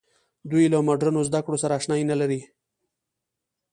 دوی له مډرنو زده کړو سره اشنايي نه لري.